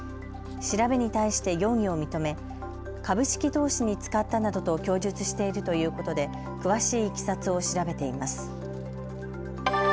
調べに対して容疑を認め株式投資に使ったなどと供述しているということで詳しいいきさつを調べています。